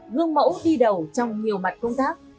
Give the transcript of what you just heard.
gương mẫu đi đầu trong nhiều mặt công tác